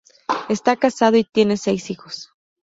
Está casado y tiene seis hijos.